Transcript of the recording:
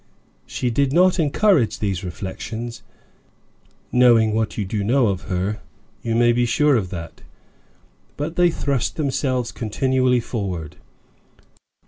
She did not encourage these reflections; knowing what you do know of her, you may be sure of that, but they thrust themselves continually forward.